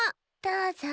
どうぞ。